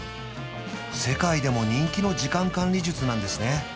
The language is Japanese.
世界でも人気の時間管理術なんですね